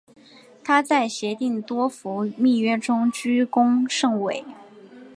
她在协定多佛密约中居功甚伟。